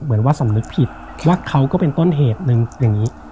เหมือนว่าสำนึกผิดว่าเขาก็เป็นต้นเหตุหนึ่งอย่างนี้